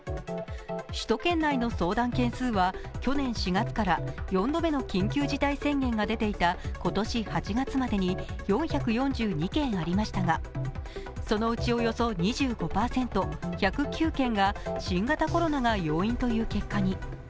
首都圏内の相談件数は去年４月から４度目の緊急事態宣言が出ていた今年８月までに４４２件ありましたがそのうちおよそ２５％、１０９件が新型コロナが要因という結果に。